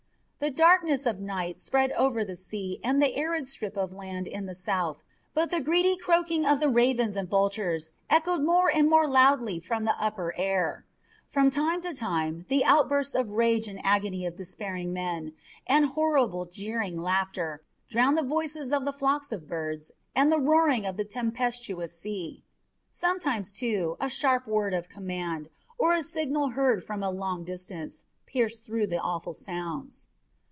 The darkness of night spread over the sea and the arid strip of land in the south, but the greedy croaking of the ravens and vultures echoed more and more loudly from the upper air. From time to time the outbursts of rage and agony of despairing men, and horrible jeering laughter, drowned the voices of the flocks of birds and the roaring of the tempestuous sea. Sometimes, too, a sharp word of command, or a signal heard for a long distance, pierced through the awful sounds.